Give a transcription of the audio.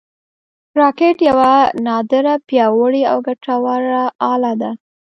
راکټ یوه نادره، پیاوړې او ګټوره اله ده